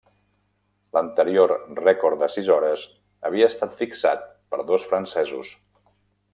L'anterior rècord de sis hores havia estat fixat per dos francesos.